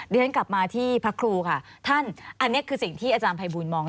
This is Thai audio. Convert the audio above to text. เรียนกลับมาที่พระครูค่ะท่านอันนี้คือสิ่งที่อาจารย์ภัยบูลมอง